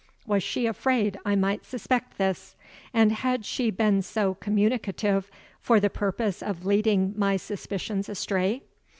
Was she afraid I might suspect this? And had she been so communicative for the purpose of leading my suspicions astray?